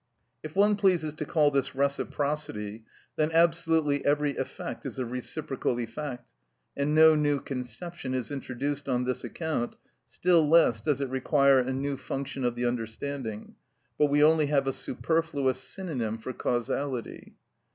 If one pleases to call this reciprocity, then absolutely every effect is a reciprocal effect, and no new conception is introduced on this account, still less does it require a new function of the understanding, but we only have a superfluous synonym for causality.